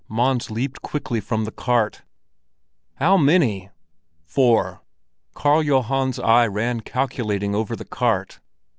Mons leaped quickly from the cart. "How many?" "Four." Karl Johan's eye ran calculating over the cart.